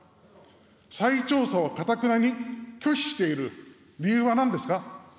再調査をかたくなに拒否している理由はなんですか。